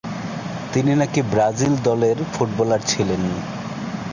তিনি নাকি ব্রাজিল দলের ফুটবলার ছিলেন।